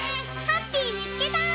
ハッピーみつけた！